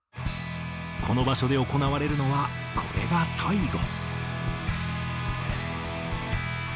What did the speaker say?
この場所で行われるのはこれが最後。